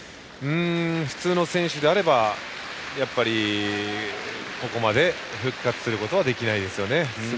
普通の選手であればやっぱりここまで復活することはできないですよね。